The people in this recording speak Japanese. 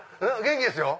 元気ですよ。